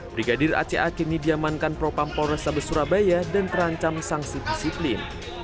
brigadir aca kini diamankan propampolresta besurabaya dan terancam sanksi disiplin